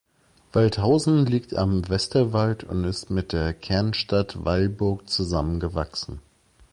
Waldhausen liegt am Westerwald und ist mit der Kernstadt Weilburg zusammengewachsen.